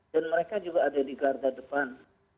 mereka juga ada di garda depan